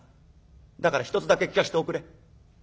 だから一つだけ聞かしておくれ。